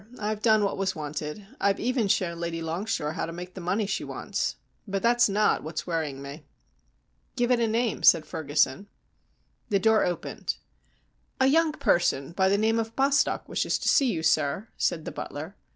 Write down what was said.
I've done what was wanted. I've even shown Lady Longshore how to make the money she wants. But that's not what's worrying me." "Give it a name," said Ferguson. The door opened. "A young person of the name of Bostock wishes to see you, sir," said the butler.